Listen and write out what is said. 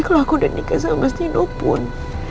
kalau aku udah nikah sama mas nino pun